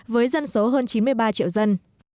với dân số hơn chín mươi ba triệu dân